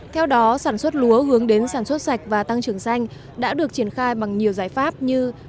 theo đó sản xuất lúa hướng đến sản xuất sạch và tăng trưởng xanh đã được triển khai bằng nhiều giải pháp như